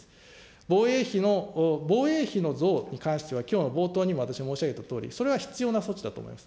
防衛費の、防衛の増に関しては、きょうの冒頭にも私申し上げたとおり、それは必要な措置だと思います。